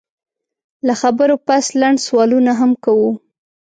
له خبرو پس لنډ سوالونه هم کوو